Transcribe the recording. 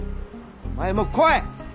お前も来い！